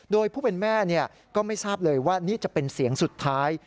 โดยผู้เป็นแม่ก็ไม่ทราบเลยว่านี่จะเป็นเสียงสุดท้าย